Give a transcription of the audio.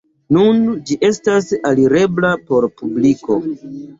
Nun ĝi estas alirebla por publiko.